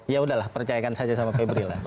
ya sudah lah percaya saja sama febri lah